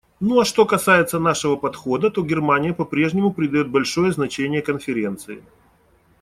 Ну а что касается нашего подхода, то Германия по-прежнему придает большое значение Конференции.